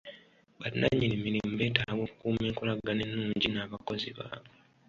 Ba nnannyini mirimu betaaga okukuuma enkolagana ennungi n'abakozi baabwe.